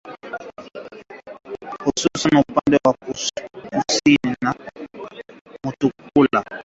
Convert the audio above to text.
Hususani upande wa kusini mwa mpaka wa Mutukula.